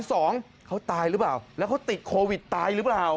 สองเขาตายหรือเปล่าแล้วเขาติดโควิดตายหรือเปล่า